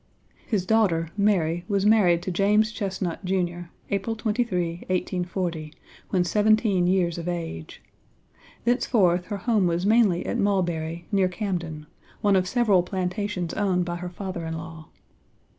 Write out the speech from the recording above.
His daughter, Mary, was married to James Chesnut, Jr., April 23, 1840, when seventeen years of age. Thenceforth her home was mainly at Mulberry, near Camden, one of several plantations owned by her father in law.